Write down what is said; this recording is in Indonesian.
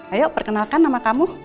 ayo perkenalkan nama kamu